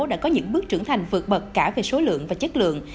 đã có những bước trưởng thành vượt bậc cả về số lượng và chất lượng